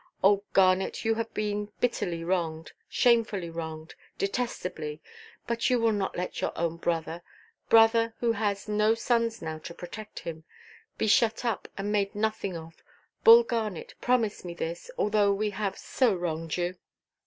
Oh, Garnet, you have been bitterly wronged, shamefully wronged, detestably; but you will not let your own brother—brother, who has no sons now to protect him,—be shut up, and made nothing of? Bull Garnet, promise me this, although we have so wronged you."